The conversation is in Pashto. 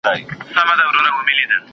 ¬ خوندي مړې سوې، چي پاته ترلې سوې.